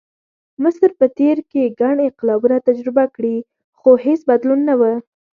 مصر په تېر کې ګڼ انقلابونه تجربه کړي، خو هېڅ بدلون نه و.